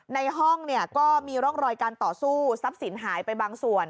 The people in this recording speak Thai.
ในห้องเนี่ยก็มีร่องรอยการต่อสู้ทรัพย์สินหายไปบางส่วน